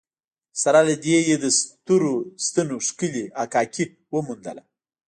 سره له دې یې د سترو ستنو ښکلې حکاکي وموندله.